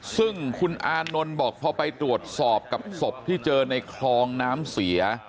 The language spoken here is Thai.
ซึ่งคุณอานนท์บอกพอไปตรวจสอบกับศพที่เจอในคลองน้ำเสีย